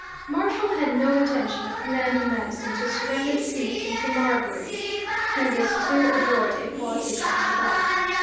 Marshall had no intention of commanding Madison to surrender the commission to Marbury. He was too adroit a politician for that.